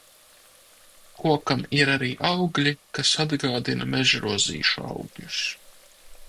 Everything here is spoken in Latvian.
Kokam ir arī augļi, kas atgādina mežrozīšu augļus.